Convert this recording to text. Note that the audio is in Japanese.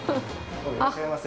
いらっしゃいませ。